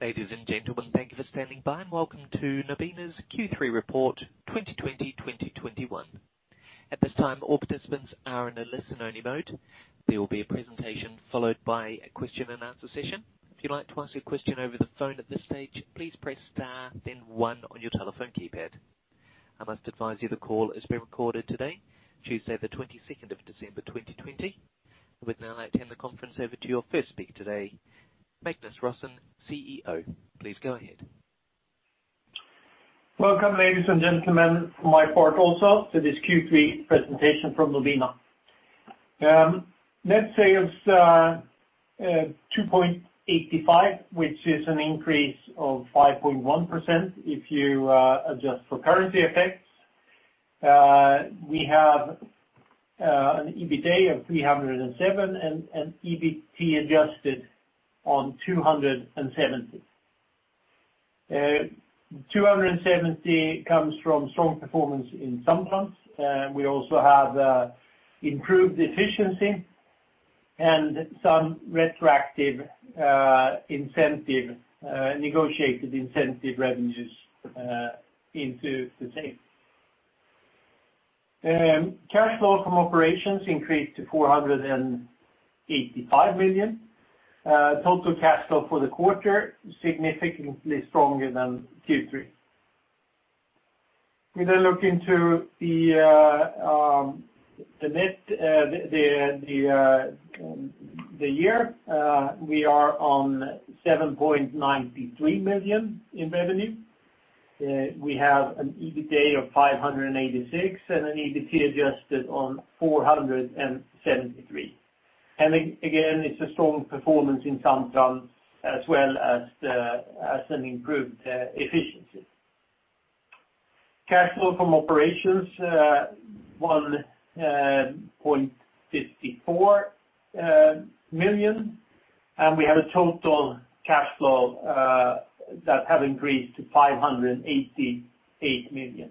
Ladies and gentlemen, thank you for standing by and welcome to Nobina's Q3 report 2020/20 21. At this time, all participants are in a listen-only mode. There will be a presentation followed by a question and answer session. If you'd like to ask a question over the phone at this stage, please press star then one on your telephone keypad. I must advise you the call is being recorded today, Tuesday the 22nd of December 2020. I would now hand the conference over to your first speaker today, Magnus Rosén, CEO. Please go ahead. Welcome, ladies and gentlemen, from my part also to this Q3 presentation from Nobina. Net sales 2.85 billion, which is an increase of 5.1% if you adjust for currency effects. We have an EBITA of 307 million and an EBT adjusted on 270 million. 270 million comes from strong performance in Samtrans. We also have improved efficiency and some retroactive negotiated incentive revenues into the same. Cash flow from operations increased to 485 million. Total cash flow for the quarter, significantly stronger than Q3. We look into the year. We are on 7.93 billion in revenue. We have an EBITA of 586 million and an EBT adjusted on 473 million. Again, it's a strong performance in Samtrans as well as an improved efficiency. Cash flow from operations 1.54 billion, and we have a total cash flow that has increased to 588 million.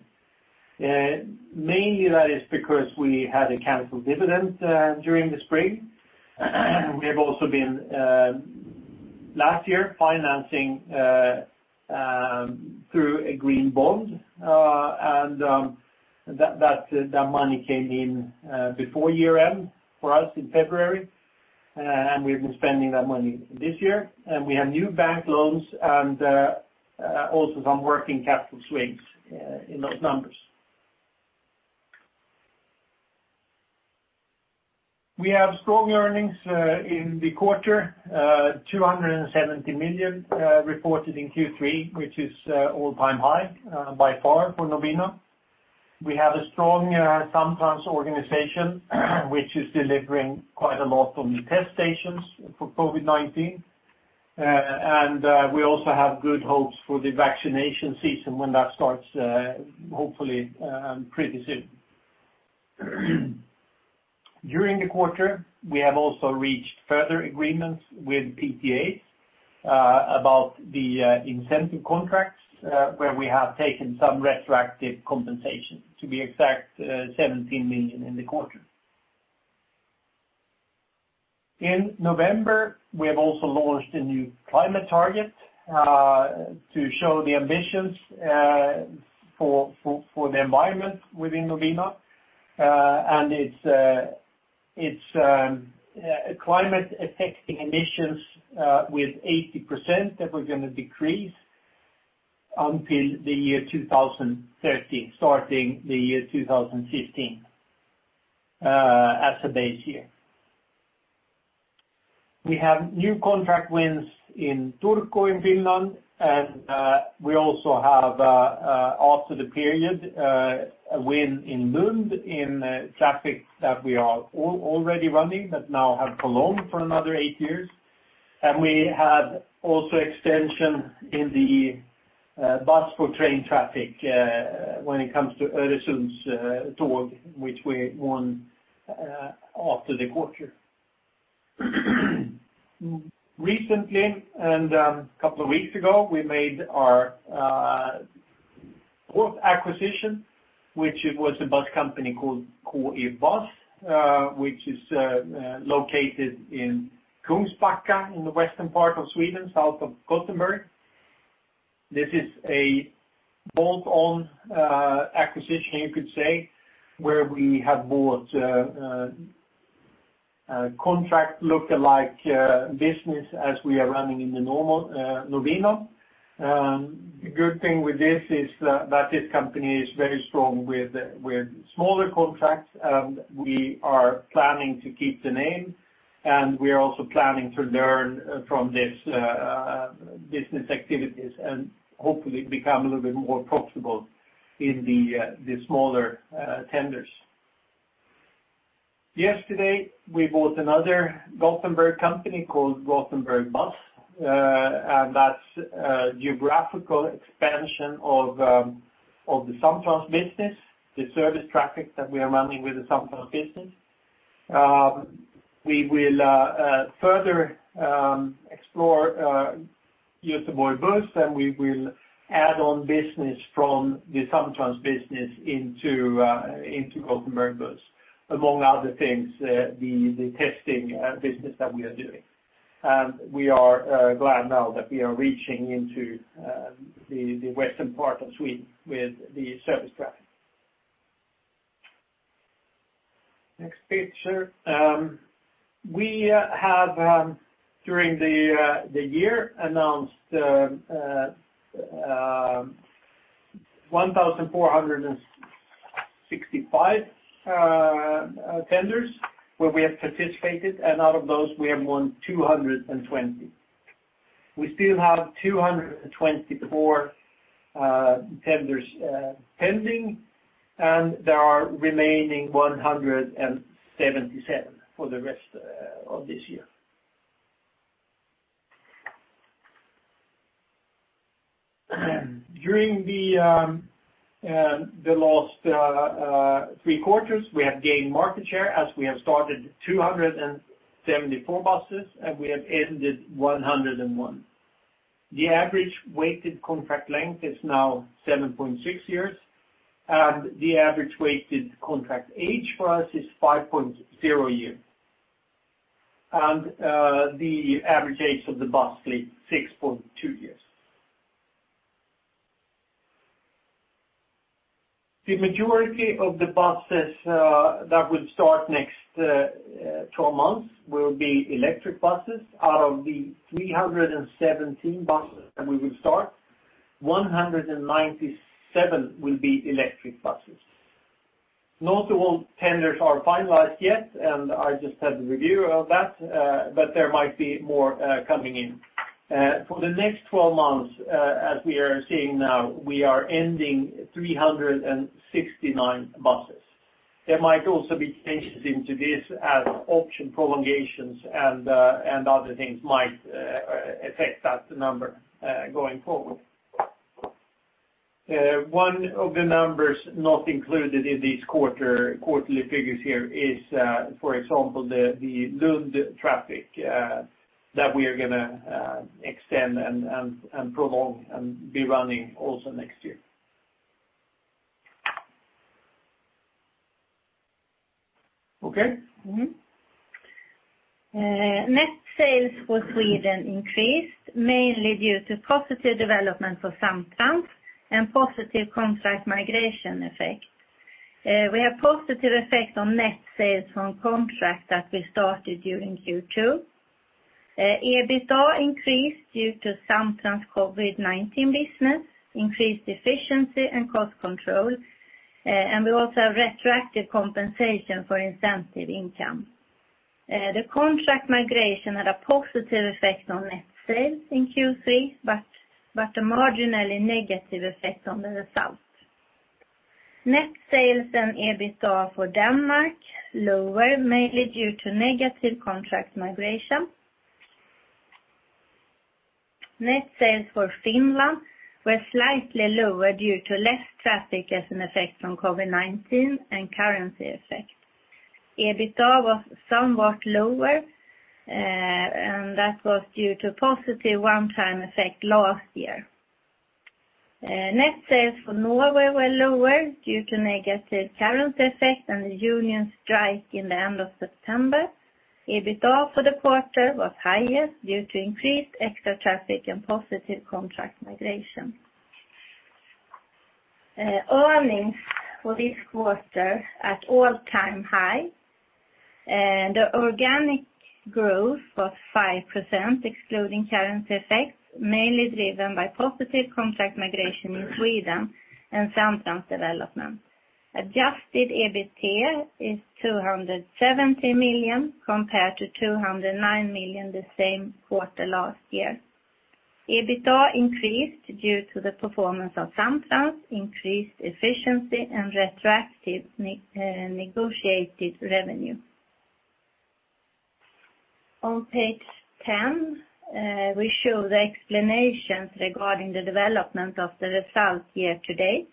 Mainly that is because we had a canceled dividend during the spring. We have also been, last year, financing through a green bond, that money came in before year-end for us in February. We've been spending that money this year. We have new bank loans and also some working capital swings in those numbers. We have strong earnings in the quarter, 270 million reported in Q3, which is all-time high by far for Nobina. We have a strong Samtrans organization which is delivering quite a lot on test stations for COVID-19. We also have good hopes for the vaccination season when that starts hopefully pretty soon. During the quarter, we have also reached further agreements with PTA about the incentive contracts, where we have taken some retroactive compensation, to be exact, 17 million in the quarter. In November, we have also launched a new climate target to show the ambitions for the environment within Nobina. It's climate affecting emissions with 80% that we're going to decrease until the year 2030, starting the year 2015 as a base year. We have new contract wins in Turku in Finland, and we also have after the period a win in Lund in traffic that we are already running but now have prolonged for another 8 years. We have also extension in the bus for train traffic when it comes to Öresundståg which we won after the quarter. Recently, and a couple of weeks ago, we made our fourth acquisition, which it was a bus company called KE's Bussar which is located in Kungsbacka in the western part of Sweden, south of Gothenburg. This is a bolt-on acquisition, you could say, where we have bought contract lookalike business as we are running in the normal Nobina. The good thing with this is that this company is very strong with smaller contracts. We are planning to keep the name, and we are also planning to learn from this business activities and hopefully become a little bit more profitable in the smaller tenders. Yesterday, we bought another Gothenburg company called Göteborgs Buss. That's geographical expansion of the Samtrans business, the service traffic that we are running with the Samtrans business. We will further explore the Göteborgs Buss. We will add on business from the Samtrans business into Göteborgs Buss among other things, the testing business that we are doing. We are glad now that we are reaching into the Western part of Sweden with the service traffic. Next page. We have during the year announced 1,465 tenders where we have participated. Out of those we have won 220. We still have 224 tenders pending, and there are remaining 177 for the rest of this year. During the last three quarters, we have gained market share as we have started 274 buses, and we have ended 101. The average weighted contract length is now 7.6 years, and the average weighted contract age for us is 5.0 years. The average age of the bus fleet 6.2 years. The majority of the buses that will start next 12 months will be electric buses. Out of the 317 buses that we will start, 197 will be electric buses. Not all tenders are finalized yet, and I just had the review of that, but there might be more coming in. For the next 12 months, as we are seeing now, we are ending 369 buses. There might also be changes into this as option prolongations and other things might affect that number going forward. One of the numbers not included in these quarterly figures here is, for example, the Lund traffic that we are going to extend and prolong and be running also next year. Okay? Net sales for Sweden increased, mainly due to positive development for Samtrans and positive contract migration effect. We have positive effect on net sales from contract that we started during Q2. EBITDA increased due to Samtrans COVID-19 business, increased efficiency and cost control, and we also have retroactive compensation for incentive income. The contract migration had a positive effect on net sales in Q3, but a marginally negative effect on the result. Net sales and EBITDA for Denmark lower, mainly due to negative contract migration. Net sales for Finland were slightly lower due to less traffic as an effect from COVID-19 and currency effect. EBITDA was somewhat lower, and that was due to positive one-time effect last year. Net sales for Norway were lower due to negative currency effect and the union strike in the end of September. EBITDA for the quarter was higher due to increased extra traffic and positive contract migration. Earnings for this quarter at all-time high. The organic growth was 5%, excluding currency effects, mainly driven by positive contract migration in Sweden and Samtrans development. Adjusted EBIT is 270 million compared to 209 million the same quarter last year. EBITDA increased due to the performance of Samtrans, increased efficiency, and retroactive negotiated revenue. On page 10, we show the explanations regarding the development of the results year to date.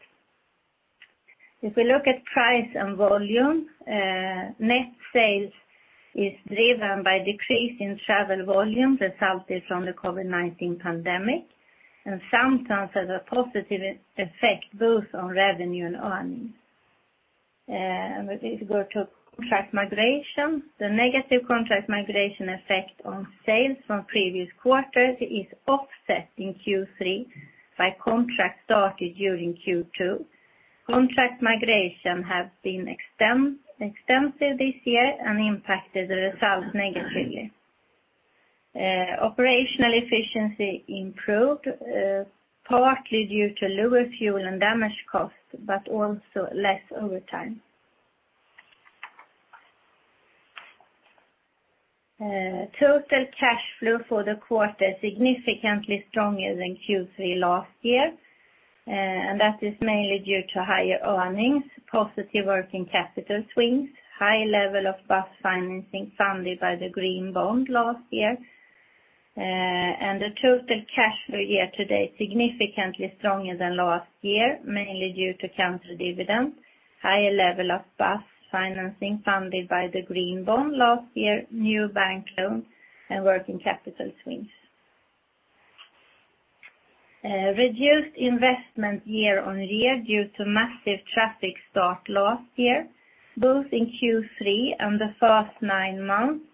If we look at price and volume, net sales is driven by decrease in travel volume resulted from the COVID-19 pandemic and Samtrans has a positive effect both on revenue and earnings. If we go to contract migration, the negative contract migration effect on sales from previous quarters is offset in Q3 by contract started during Q2. Contract migration have been extensive this year and impacted the results negatively. Operational efficiency improved, partly due to lower fuel and damage costs, but also less overtime. Total cash flow for the quarter significantly stronger than Q3 last year, that is mainly due to higher earnings, positive working capital swings, high level of bus financing funded by the green bond last year. The total cash flow year-to-date significantly stronger than last year, mainly due to canceled dividend, higher level of bus financing funded by the green bond last year, new bank loans, and working capital swings. Reduced investment year-on-year due to massive traffic start last year, both in Q3 and the first nine months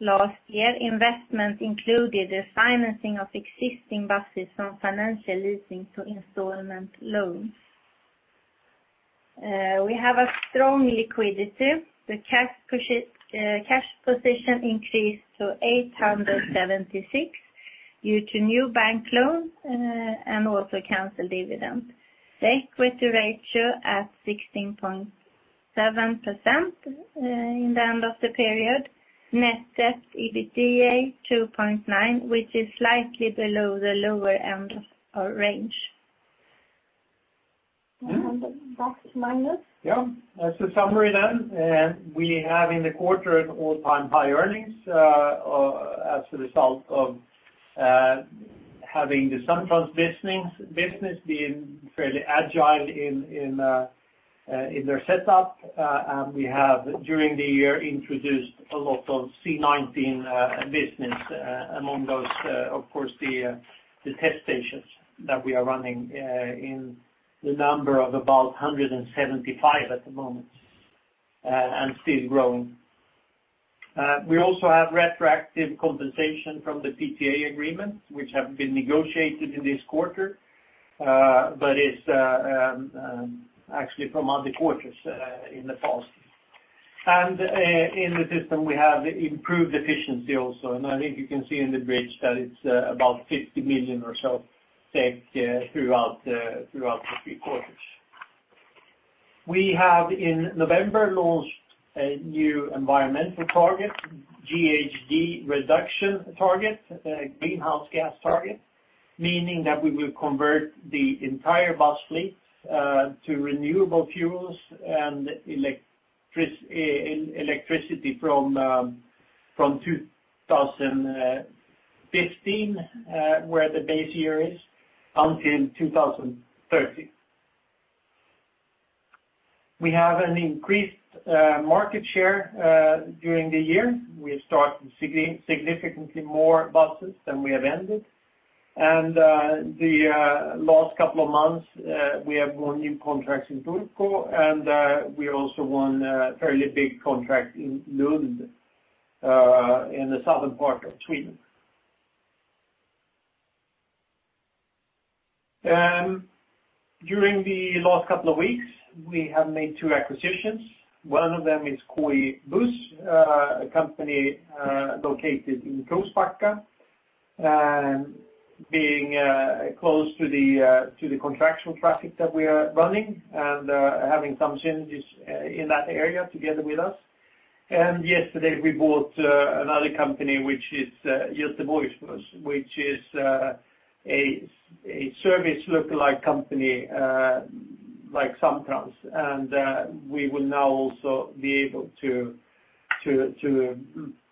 last year. Investment included the financing of existing buses from financial leasing to installment loans. We have a strong liquidity. The cash position increased to 876 due to new bank loans and also canceled dividends. The equity ratio at 16.7% in the end of the period. Net debt EBITDA 2.9, which is slightly below the lower end of our range. Back to Magnus. That's the summary then. We have in the quarter an all-time high earnings as a result of having the Samtrans business being fairly agile in their setup. We have, during the year, introduced a lot of C-19 business among those, of course, the test stations that we are running in the number of about 175 at the moment, and still growing. We also have retroactive compensation from the PTA agreement, which have been negotiated in this quarter, but it's actually from other quarters in the past. In the system, we have improved efficiency also. I think you can see in the bridge that it's about 50 million or so saved throughout the three quarters. We have in November launched a new environmental target, GHG reduction target, greenhouse gas target, meaning that we will convert the entire bus fleet to renewable fuels and electricity from 2015, where the base year is, until 2030. We have an increased market share during the year. We started significantly more buses than we have ended. The last couple of months, we have won new contracts in Turku, and we also won a fairly big contract in Lund, in the southern part of Sweden. During the last couple of weeks, we have made two acquisitions. One of them is KE's Bussar, a company located in Kungsbacka, being close to the contractual traffic that we are running and having some synergies in that area together with us. Yesterday we bought another company, which is Göteborgs Buss, which is a service lookalike company like Samtrans. We will now also be able to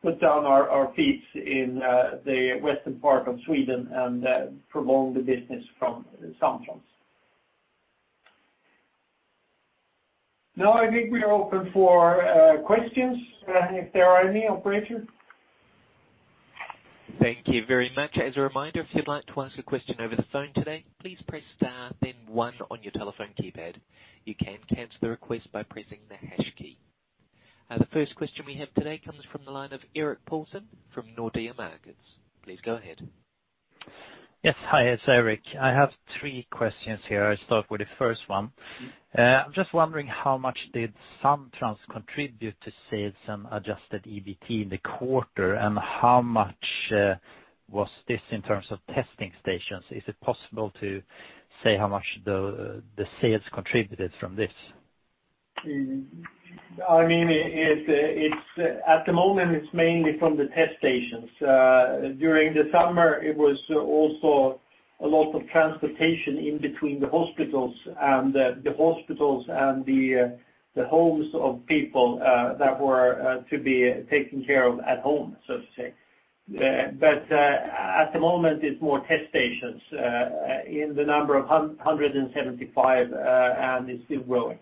put down our feet in the western part of Sweden and prolong the business from Samtrans. Now I think we are open for questions if there are any, operator. Thank you very much. As a reminder, if you'd like to ask a question over the phone today, please press star and then one on your telephone keypad. You can cancel the request by pressing the hash key. The first question we have today comes from the line of Erik Paulsson from Nordea Markets. Please go ahead. Yes. Hi, it's Erik. I have three questions here. I start with the first one. I'm just wondering how much did Samtrans contribute to sales and adjusted EBT in the quarter, and how much was this in terms of testing stations? Is it possible to say how much the sales contributed from this? At the moment, it's mainly from the test stations. During the summer, it was also a lot of transportation in between the hospitals and the homes of people that were to be taken care of at home, so to say. At the moment, it's more test stations in the number of 175 and it's still growing.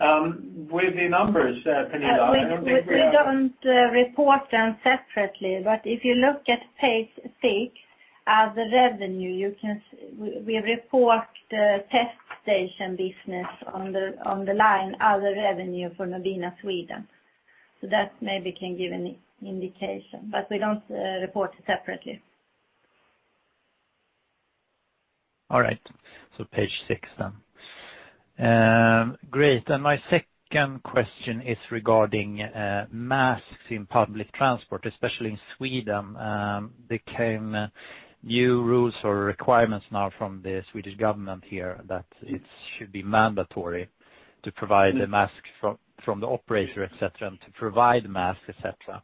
With the numbers, Pernilla, I don't think we have- We don't report them separately, but if you look at page six at the revenue, we report the test station business on the line, other revenue for Nobina Sverige. That maybe can give an indication, but we don't report it separately. All right. Page six then. Great. My second question is regarding masks in public transport, especially in Sweden. There came new rules or requirements now from the Swedish government here that it should be mandatory to provide the mask from the operator, et cetera, and to provide mask, et cetera.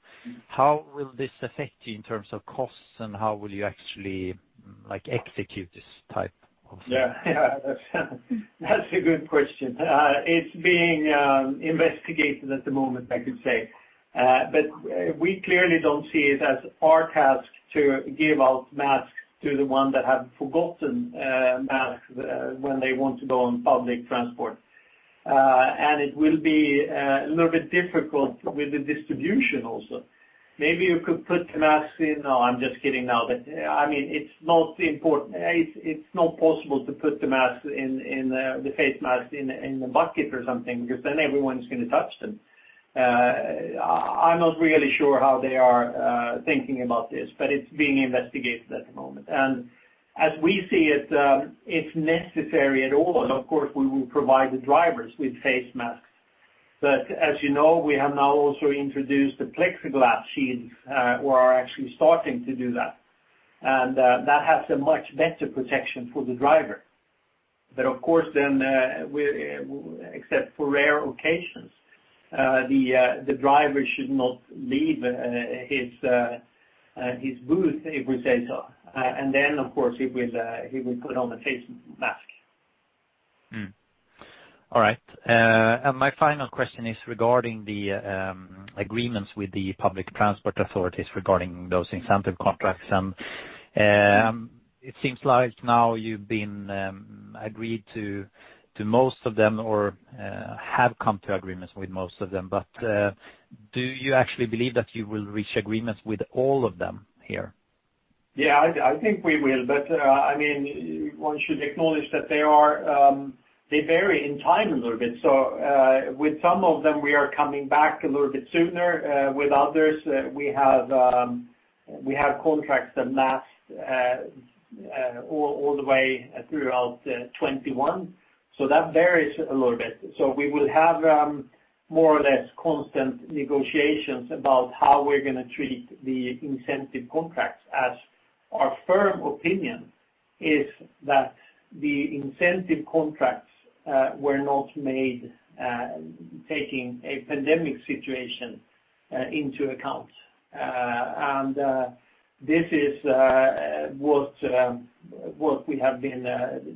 How will this affect you in terms of costs, and how will you actually execute this type of thing? That's a good question. It's being investigated at the moment, I could say. We clearly don't see it as our task to give out masks to the one that have forgotten masks when they want to go on public transport. It will be a little bit difficult with the distribution also. Maybe you could put the masks in. No, I'm just kidding. It's not possible to put the face mask in the bucket or something, because then everyone's going to touch them. I'm not really sure how they are thinking about this, but it's being investigated at the moment. As we see it, if necessary at all, of course, we will provide the drivers with face masks. As you know, we have now also introduced the plexiglass sheets, or are actually starting to do that. That has a much better protection for the driver. Of course then, except for rare occasions, the driver should not leave his booth if we say so. Of course, he will put on a face mask. All right. My final question is regarding the agreements with the public transport authorities regarding those incentive contracts. It seems like now you've been agreed to most of them or have come to agreements with most of them, but do you actually believe that you will reach agreements with all of them here? Yeah, I think we will, but one should acknowledge that they vary in time a little bit. With some of them we are coming back a little bit sooner. With others, we have contracts that last all the way throughout 2021. That varies a little bit. We will have more or less constant negotiations about how we're going to treat the incentive contracts, as our firm opinion is that the incentive contracts were not made taking a pandemic situation into account. This is what we have been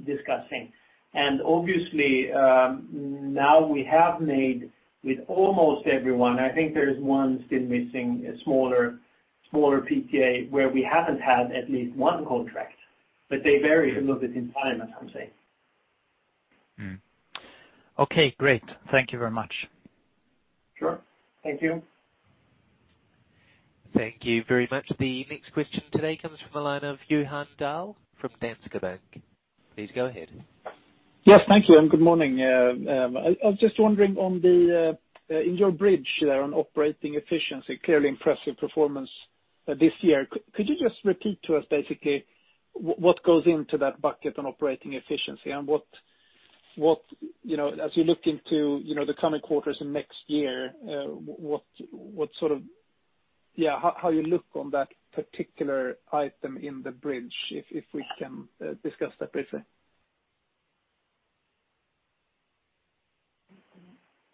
discussing. Obviously, now we have made with almost everyone. I think there's one still missing, a smaller PTA, where we haven't had at least one contract, but they vary a little bit in time, as I'm saying. Okay, great. Thank you very much. Sure. Thank you. Thank you very much. The next question today comes from the line of Johan Dahl from Danske Bank. Please go ahead. Yes, thank you and good morning. I was just wondering in your bridge there on operating efficiency, clearly impressive performance this year. Could you just repeat to us basically what goes into that bucket on operating efficiency and as you look into the coming quarters and next year, how you look on that particular item in the bridge? If we can discuss that briefly.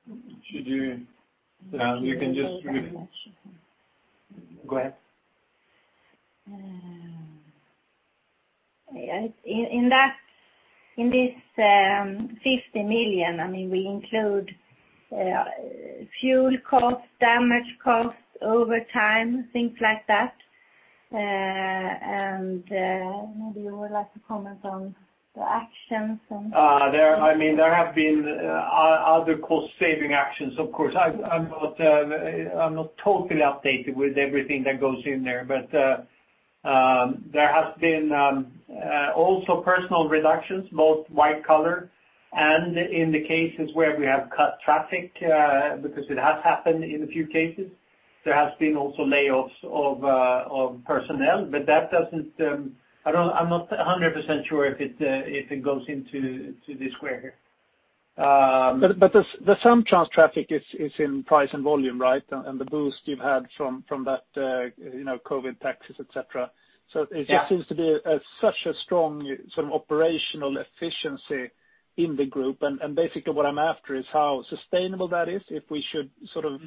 You can just repeat. Go ahead. In this 50 million, we include fuel cost, damage cost, over time, things like that. Maybe you would like to comment on the actions. There have been other cost saving actions, of course. I'm not totally updated with everything that goes in there has been also personnel reductions, both white collar and in the cases where we have cut traffic, because it has happened in a few cases. There has been also layoffs of personnel, I'm not 100% sure if it goes into this square here. The Samtrans traffic is in price and volume, right? The boost you've had from that COVID taxes, et cetera. Yeah. It just seems to be such a strong sort of operational efficiency in the group. Basically what I'm after is how sustainable that is, if we should sort of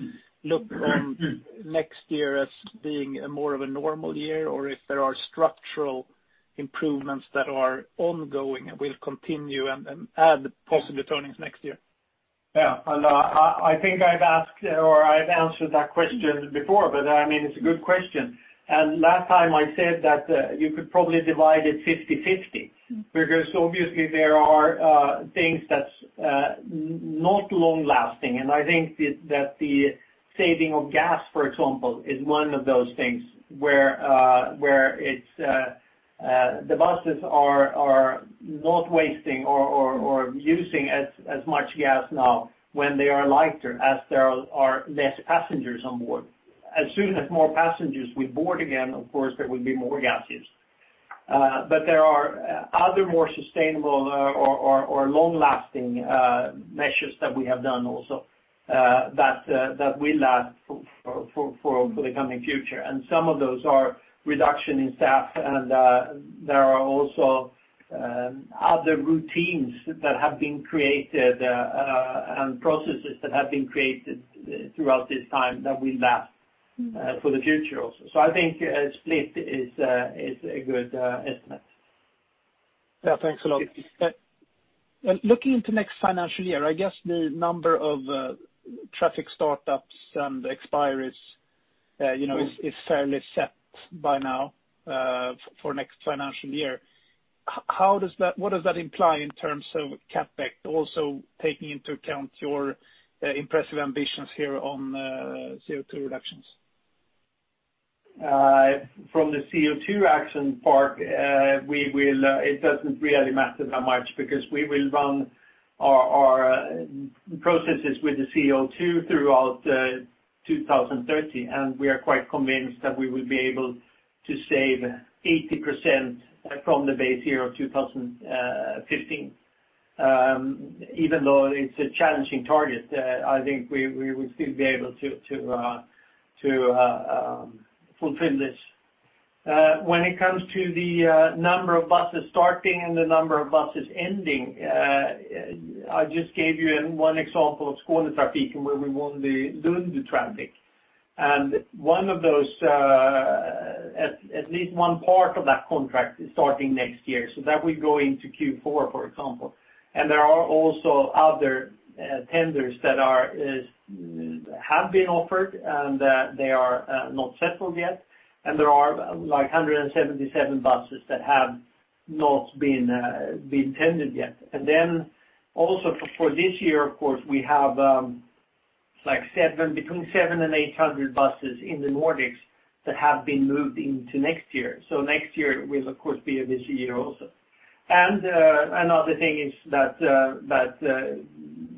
look on next year as being more of a normal year or if there are structural improvements that are ongoing and will continue and add positive earnings next year. Yeah. I think I've answered that question before, but it's a good question. Last time I said that you could probably divide it 50/50, because obviously there are things that's not long lasting. I think that the saving of gas, for example, is one of those things where the buses are not wasting or using as much gas now when they are lighter as there are less passengers on board. As soon as more passengers will board again, of course there will be more gas used. There are other more sustainable or long lasting measures that we have done also, that will last for the coming future. Some of those are reduction in staff and there are also other routines that have been created and processes that have been created throughout this time that will last for the future also. I think split is a good estimate. Yeah, thanks a lot. Yes. Looking into next financial year, I guess the number of traffic startups and expiries is fairly set by now for next financial year. What does that imply in terms of CapEx, also taking into account your impressive ambitions here on CO2 reductions? From the CO2 action part, it doesn't really matter that much because we will run our processes with the CO2 throughout 2030, and we are quite convinced that we will be able to save 80% from the base year of 2015. Even though it's a challenging target, I think we will still be able to fulfill this. When it comes to the number of buses starting and the number of buses ending, I just gave you one example of Skånetrafiken, where we won the Lund traffic. At least one part of that contract is starting next year, so that will go into Q4, for example. There are also other tenders that have been offered and they are not settled yet. There are like 177 buses that have not been tendered yet. Also for this year, of course, we have between 700 and 800 buses in the Nordics that have been moved into next year. Next year will of course be a busy year also. Another thing is that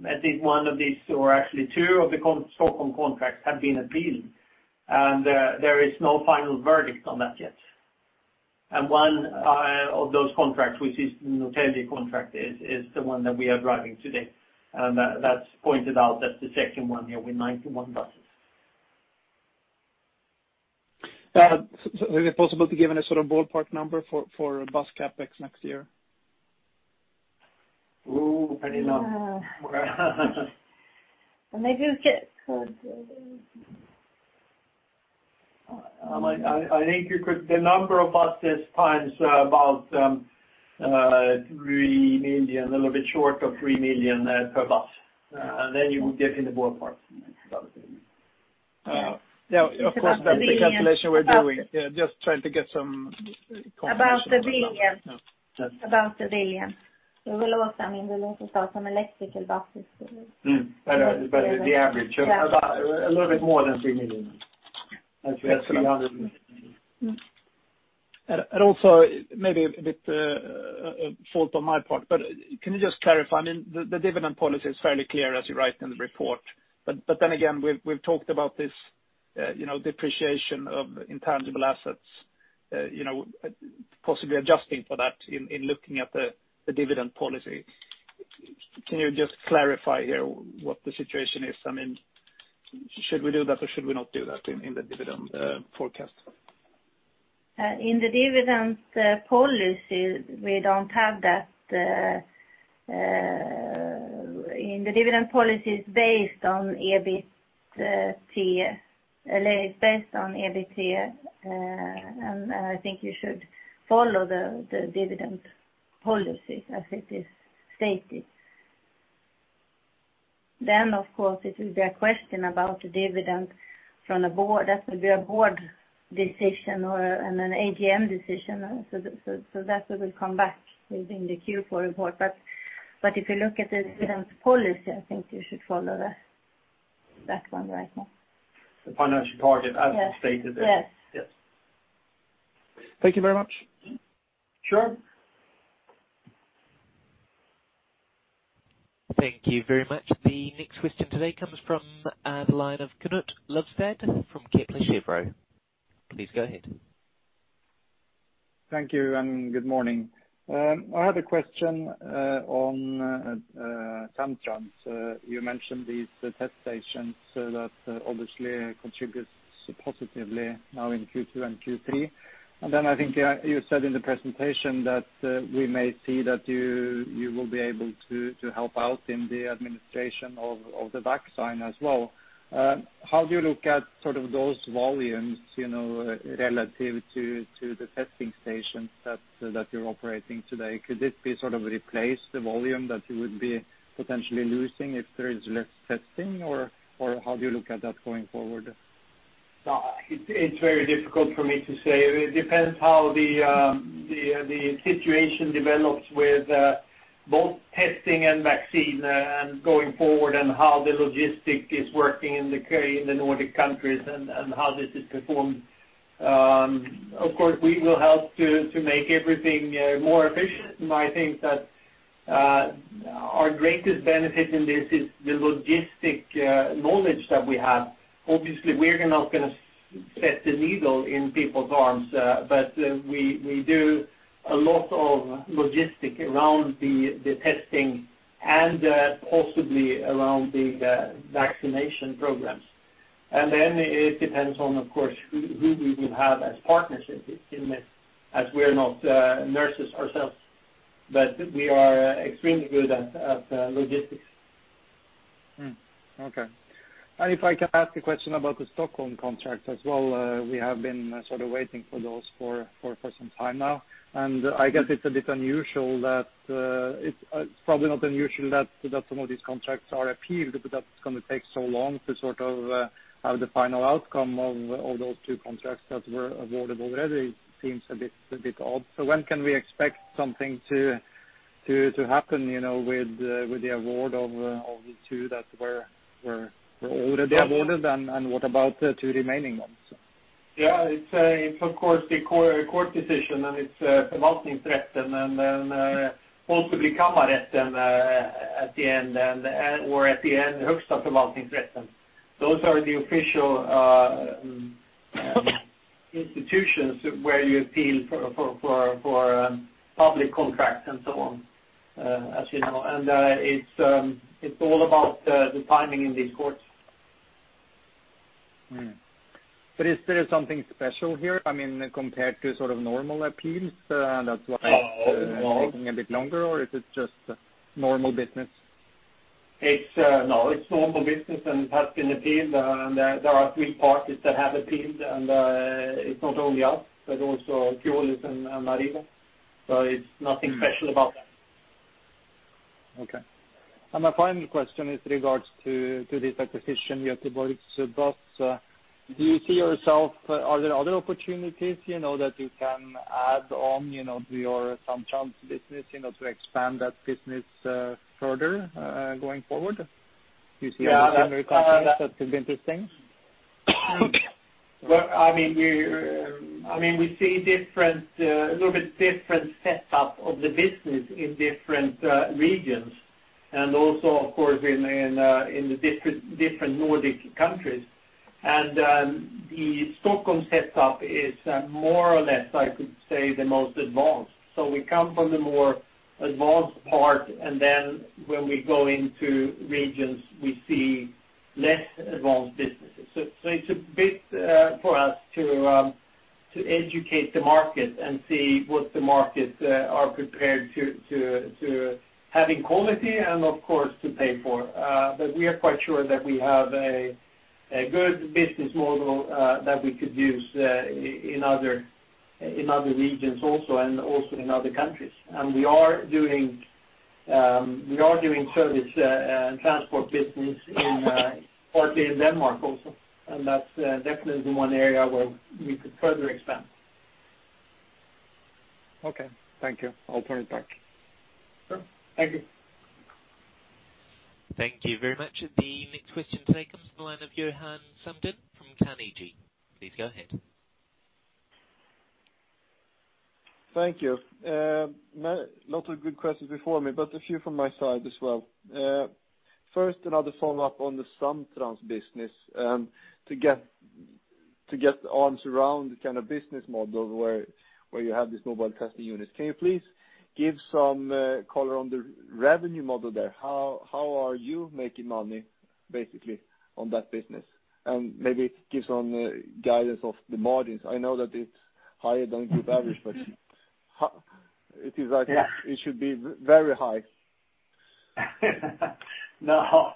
I think one of these, or actually two of the Stockholm contracts have been appealed, and there is no final verdict on that yet. One of those contracts, which is the Norrtälje contract, is the one that we are driving today. That's pointed out, that's the second one here with 91 buses. Is it possible to give any sort of ballpark number for bus CapEx next year? I don't know. Maybe we get. I think the number of buses times about 3 million, a little bit short of 3 million per bus. Then you will get in the ballpark, probably. Yeah, of course. That's the calculation we're doing. Yeah, just trying to get some confirmation. About 1 billion. We will also, I mean, we also sell some electrical buses. The average a little bit more than SEK 3 million. Also maybe a bit fault on my part. Can you just clarify, I mean, the dividend policy is fairly clear as you write in the report. Then again, we've talked about this depreciation of intangible assets, possibly adjusting for that in looking at the dividend policy. Can you just clarify here what the situation is? I mean, should we do that or should we not do that in the dividend forecast? In the dividend policy, we don't have that. The dividend policy is based on EBITA, and I think you should follow the dividend policy as it is stated. Of course, it will be a question about the dividend from the board. That will be a board decision or an AGM decision. That will come back within the Q4 report. If you look at the dividend policy, I think you should follow that one right now. The financial target as stated there. Yes. Yes. Thank you very much. Sure. Thank you very much. The next question today comes from the line of Knut Løvstad from Kepler Cheuvreux. Please go ahead. Thank you. Good morning. I had a question on Samtrans. You mentioned these test stations that obviously contributes positively now in Q2 and Q3. I think you said in the presentation that we may see that you will be able to help out in the administration of the vaccine as well. How do you look at those volumes relative to the testing stations that you're operating today? Could it be sort of replace the volume that you would be potentially losing if there is less testing, or how do you look at that going forward? It's very difficult for me to say. It depends how the situation develops with both testing and vaccine and going forward and how the logistics is working in the Nordic countries and how this is performed. Of course, we will help to make everything more efficient. I think that our greatest benefit in this is the logistics knowledge that we have. Obviously, we're not going to set the needle in people's arms, but we do a lot of logistics around the testing and possibly around the vaccination programs. Then it depends on, of course, who we will have as partners in this, as we are not nurses ourselves. We are extremely good at logistics. Okay. If I can ask a question about the Stockholm contract as well. We have been waiting for those for some time now. It's probably not unusual that some of these contracts are appealed, but that it's going to take so long to have the final outcome of those two contracts that were awarded already seems a bit odd. When can we expect something to happen, with the award of the two that were already awarded and what about the two remaining ones? It's of course the court decision and it's Förvaltningsrätten and then possibly Kammarrätten at the end, or at the end, Högsta förvaltningsdomstolen. Those are the official institutions where you appeal for public contracts and so on, as you know. It's all about the timing in these courts. Is there something special here? Oh, no. it's taking a bit longer, or is it just normal business? No, it's normal business and has been appealed, and there are three parties that have appealed, and it's not only us, but also. that could be interesting? We see a little bit different setup of the business in different regions, and also, of course, in the different Nordic countries. The Stockholm setup is more or less, I could say, the most advanced. We come from the more advanced part, and then when we go into regions, we see less advanced businesses. It's a bit for us to educate the market and see what the markets are prepared to having quality and of course, to pay for. We are quite sure that we have a good business model that we could use in other regions also, and also in other countries. We are doing service and transport business partly in Denmark also, and that's definitely one area where we could further expand. Okay, thank you. I'll turn it back. Sure. Thank you. Thank you very much. The next question today comes from the line of Johan Sundén from Carnegie. Please go ahead. Thank you. Lots of good questions before me, but a few from my side as well. First, another follow-up on the Samtrans business, to get our arms around the kind of business model where you have these mobile testing units. Can you please give some color on the revenue model there? How are you making money, basically, on that business? Maybe give some guidance of the margins. I know that it's higher than group average, but it should be very high. No.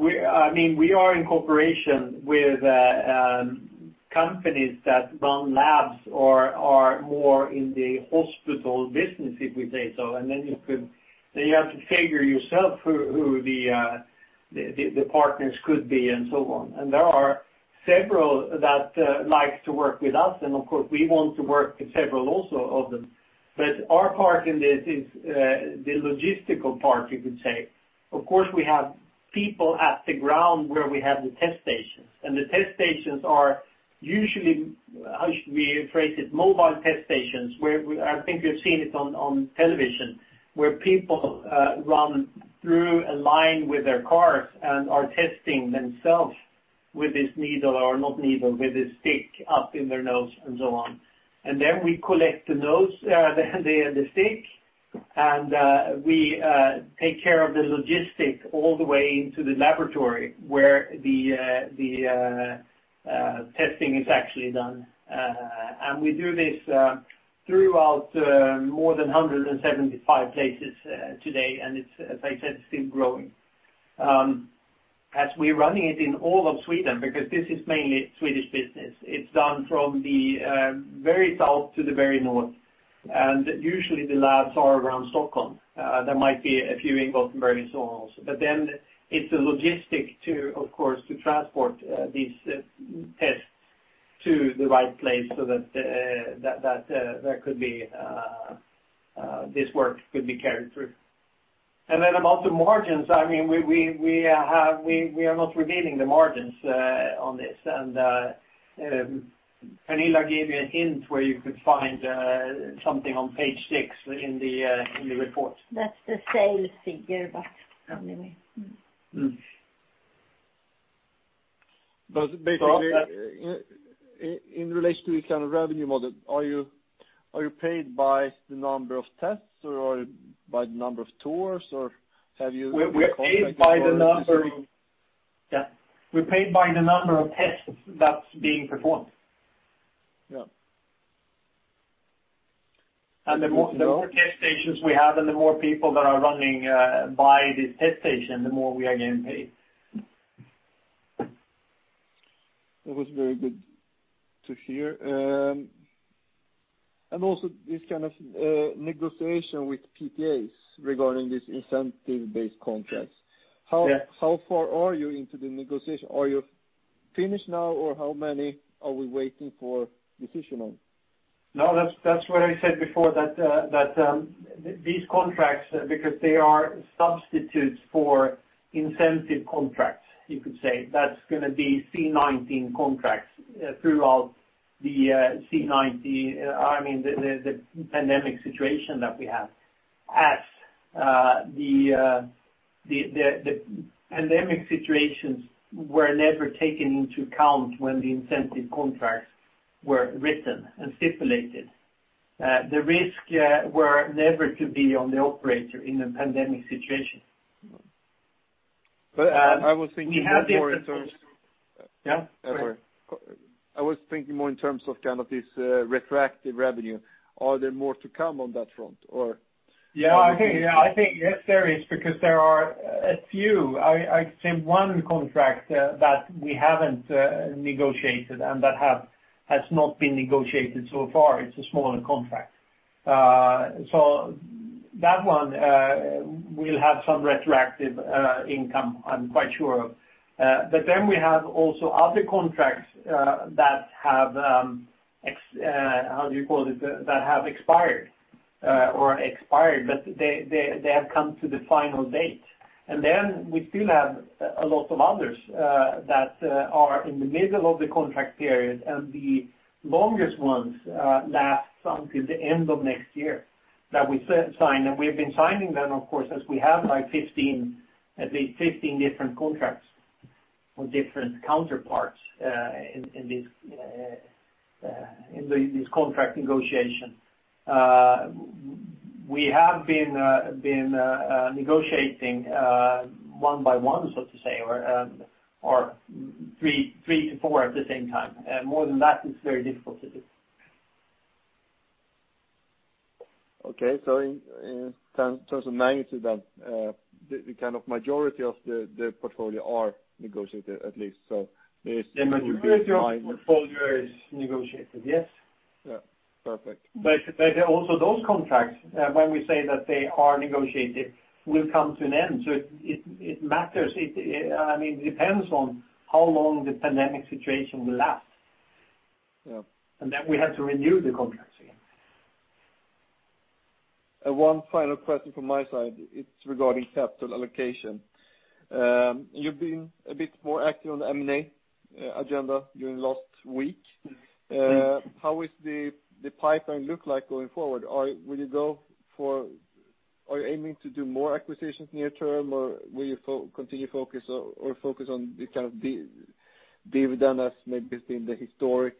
We are in cooperation with companies that run labs or are more in the hospital business, if we say so. Then you have to figure yourself who the partners could be and so on. There are several that like to work with us, and of course, we want to work with several also of them. Our part in this is the logistical part, you could say. Of course, we have people at the ground where we have the test stations, and the test stations are usually, how should we phrase it, mobile test stations where, I think you've seen it on television, where people run through a line with their cars and are testing themselves with this needle, or not needle, with a stick up in their nose and so on. We collect the stick, we take care of the logistics all the way into the laboratory where the testing is actually done. We do this throughout more than 175 places today, and it's, as I said, still growing. As we're running it in all of Sweden, because this is mainly Swedish business. It's done from the very south to the very north. Usually the labs are around Stockholm. There might be a few in Gothenburg and so on also. It's the logistic, of course, to transport these tests to the right place so that this work could be carried through. About the margins, we are not revealing the margins on this. Pernilla gave you a hint where you could find something on page six in the report. That's the sales figure, but anyway. Basically, in relation to the kind of revenue model, are you paid by the number of tests or by the number of tours? We are paid by the number of tests that's being performed. Yeah. The more test stations we have and the more people that are running by the test station, the more we are getting paid. That was very good to hear. Also this kind of negotiation with PTAs regarding these incentive-based contracts. Yes. How far are you into the negotiation? Are you finished now, or how many are we waiting for decision on? That's what I said before, that these contracts, because they are substitutes for incentive contracts, you could say, that's going to be C-19 contracts throughout the pandemic situation that we have. As the pandemic situations were never taken into account when the incentive contracts were written and stipulated. The risk were never to be on the operator in a pandemic situation. I was thinking more. We have the incentive. Yeah, go ahead. I was thinking more in terms of this retroactive revenue. Are there more to come on that front, or? Yeah. I think, yes, there is because there are a few, I'd say one contract, that we haven't negotiated and that has not been negotiated so far. It's a smaller contract. That one will have some retroactive income, I'm quite sure of. We have also other contracts that have expired, or expired, but they have come to the final date. We still have a lot of others that are in the middle of the contract period, and the longest ones last until the end of next year that we signed. We've been signing them, of course, as we have at least 15 different contracts with different counterparts in this contract negotiation. We have been negotiating one by one, so to say, or three to four at the same time. More than that, it's very difficult to do. Okay. In terms of magnitude, the majority of the portfolio are negotiated at least. The majority of portfolio is negotiated, yes. Yeah. Perfect. Also those contracts, when we say that they are negotiated, will come to an end. It matters. It depends on how long the pandemic situation will last. Yeah. We have to renew the contracts again. One final question from my side. It's regarding capital allocation. You've been a bit more active on the M&A agenda during last week. How is the pipeline look like going forward? Are you aiming to do more acquisitions near term, or will you continue focus on the kind of dividends maybe been the historic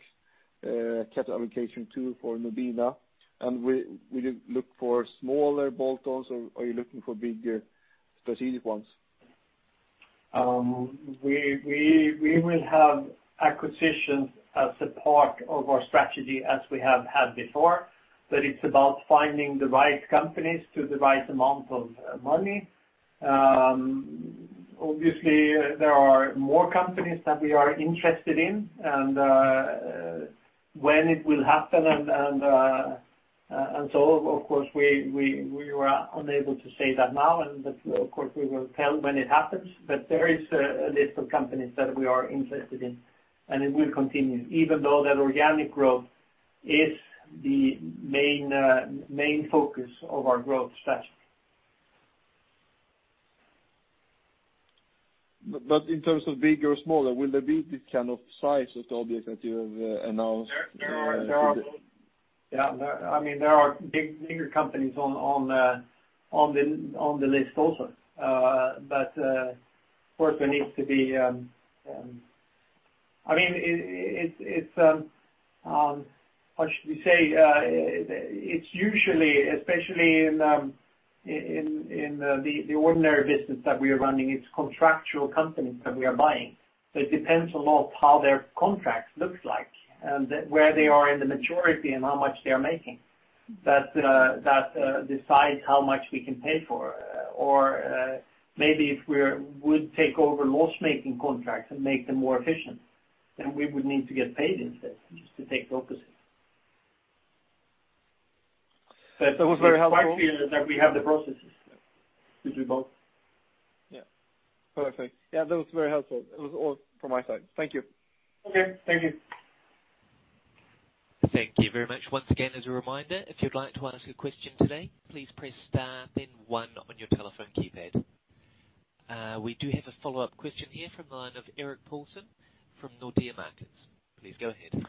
capital allocation tool for Nobina, and will you look for smaller bolt-ons, or are you looking for bigger strategic ones? We will have acquisitions as a part of our strategy as we have had before, but it's about finding the right companies to the right amount of money. Obviously, there are more companies that we are interested in and when it will happen and so, of course, we are unable to say that now. Of course, we will tell when it happens. There is a list of companies that we are interested in, and it will continue even though that organic growth is the main focus of our growth strategy. In terms of bigger or smaller, will there be the kind of size as the object that you have announced? Yeah. Of course, there needs to be. How should we say? It is usually, especially in the ordinary business that we are running, it is contractual companies that we are buying. It depends a lot how their contracts look like, and where they are in the majority and how much they are making. That decides how much we can pay for, or maybe if we would take over loss-making contracts and make them more efficient, then we would need to get paid instead just to take the opposite. That was very helpful. We are quite clear that we have the processes to do both. Yeah. Perfect. Yeah, that was very helpful. It was all from my side. Thank you. Okay. Thank you. Thank you very much. Once again, as a reminder, if you'd like to ask a question today, please press star then one on your telephone keypad. We do have a follow-up question here from the line of Erik Paulsson from Nordea Markets. Please go ahead.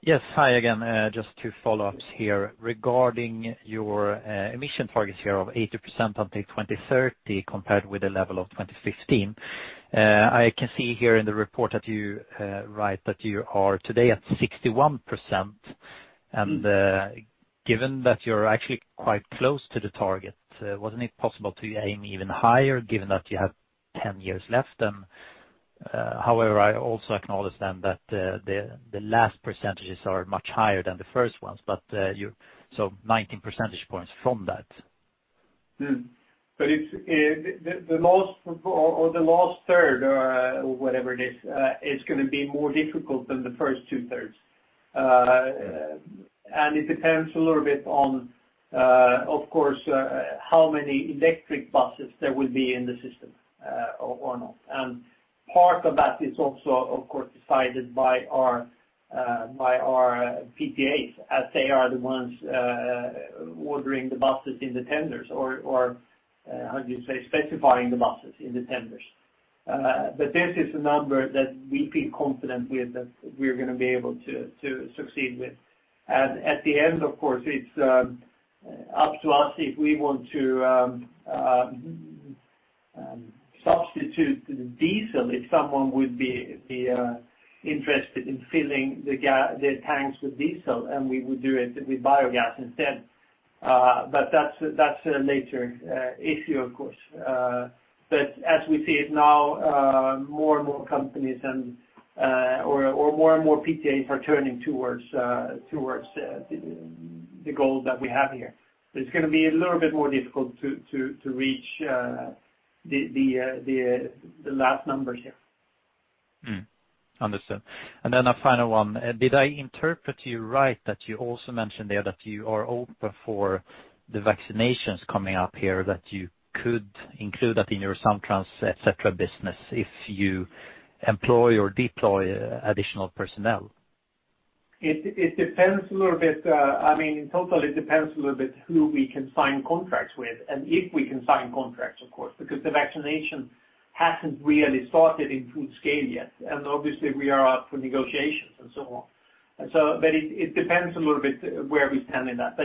Yes. Hi again. Just two follow-ups here regarding your emission targets here of 80% until 2030 compared with the level of 2015. I can see here in the report that you write that you are today at 61%, and given that you're actually quite close to the target, wasn't it possible to aim even higher given that you have 10 years left? However, I also acknowledge then that the last percentages are much higher than the first ones, so 19 percentage points from that. The last third or whatever it is going to be more difficult than the first two-thirds. It depends a little bit on, of course, how many electric buses there will be in the system, or not. Part of that is also, of course, decided by our PTAs, as they are the ones ordering the buses in the tenders or, how do you say, specifying the buses in the tenders. This is a number that we feel confident with that we're going to be able to succeed with. At the end, of course, it's up to us if we want to substitute the diesel, if someone would be interested in filling the tanks with diesel, and we would do it with biogas instead. That's a later issue, of course. As we see it now, more and more companies or more and more PTAs are turning towards the goal that we have here. It's going to be a little bit more difficult to reach the last numbers here. Understood. Then a final one. Did I interpret you right that you also mentioned there that you are open for the vaccinations coming up here, that you could include that in your Samtrans, et cetera, business if you employ or deploy additional personnel? It depends a little bit. In total, it depends a little bit who we can sign contracts with and if we can sign contracts, of course, because the vaccination hasn't really started in full scale yet. Obviously, we are up for negotiations and so on. It depends a little bit where we stand in that.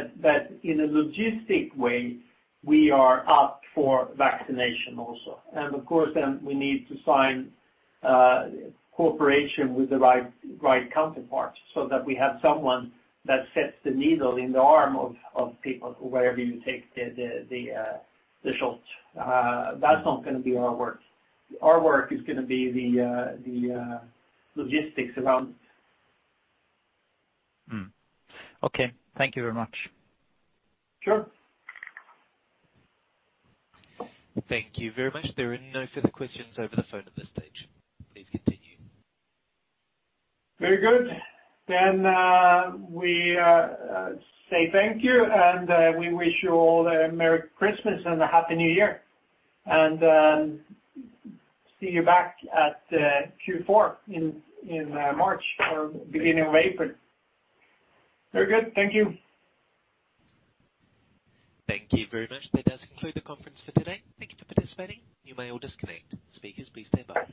In a logistic way, we are up for vaccination also. Of course, then we need to sign cooperation with the right counterparts so that we have someone that sets the needle in the arm of people wherever you take the shot. That's not going to be our work. Our work is going to be the logistics around it. Okay. Thank you very much. Sure. Thank you very much. There are no further questions over the phone at this stage. Please continue. Very good. We say thank you, and we wish you all a merry Christmas and a happy New Year. See you back at Q4 in March or beginning of April. Very good. Thank you. Thank you very much. That does conclude the conference for today. Thank you for participating. You may all disconnect. Speakers, please standby.